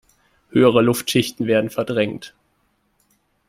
Höhere Luftschichten werden verdrängt.